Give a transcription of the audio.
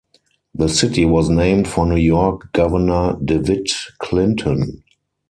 The city was named for New York Governor DeWitt Clinton.